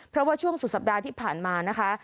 เพราะว่าช่วงสุดสัปดาห์ที่ผ่านมานะคะ